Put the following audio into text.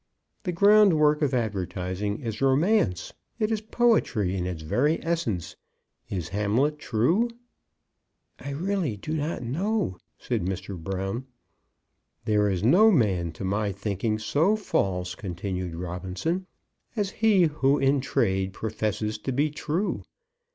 The groundwork of advertising is romance. It is poetry in its very essence. Is Hamlet true?" "I really do not know," said Mr. Brown. "There is no man, to my thinking, so false," continued Robinson, "as he who in trade professes to be true.